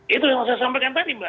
itu yang saya sampaikan tadi mbak